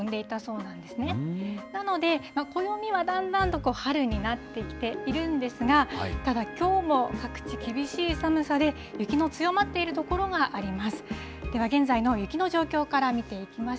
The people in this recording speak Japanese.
なので、暦はだんだんと春になってきているんですが、ただ、きょうも各地厳しい寒さで、雪の強まっている所があります。